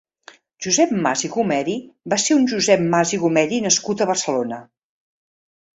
Josep Mas i Gomeri va ser un josep Mas i Gomeri nascut a Barcelona.